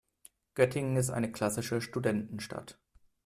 Göttingen ist eine klassische Studentenstadt.